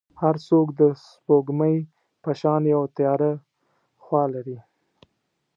هر څوک د سپوږمۍ په شان یو تیاره خوا لري.